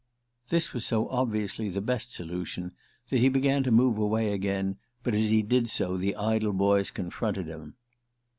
This was so obviously the best solution that he began to move away again; but as he did so the idle boys confronted him.